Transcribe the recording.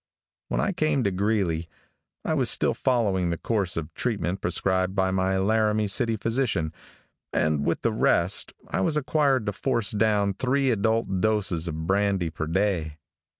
When I came to Greeley, I was still following the course of treatment prescribed by my Laramie City physician, and with the rest, I was required to force down three adult doses of brandy per day.